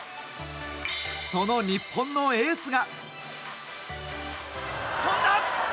その日本のエースが。